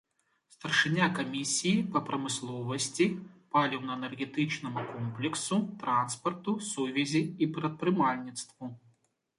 Старшыня камісіі па прамысловасці, паліўна-энергетычнаму комплексу, транспарту, сувязі і прадпрымальніцтву.